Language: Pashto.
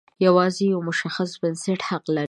یوازې یو مشخص بنسټ حق ولري.